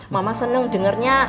mama seneng dengernya